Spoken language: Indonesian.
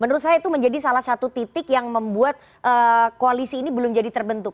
menurut saya itu menjadi salah satu titik yang membuat koalisi ini belum jadi terbentuk